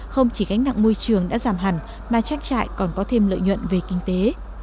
không chỉ gánh nặng môi trường đã giảm hẳn mà trang trại còn có thêm lợi nhuận về kinh tế